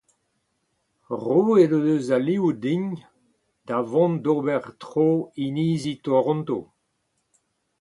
Roet o deus alioù din da vont d'ober tro inizi Toronto.